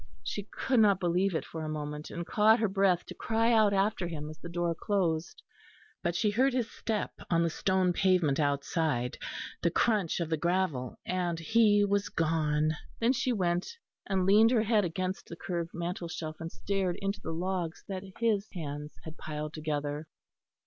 She could not believe it for a moment, and caught her breath to cry out after him as the door closed; but she heard his step on the stone pavement outside, the crunch of the gravel, and he was gone. Then she went and leaned her head against the curved mantelshelf and stared into the logs that his hands had piled together.